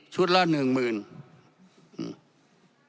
ชุดละ๑๐๐๐๐บาท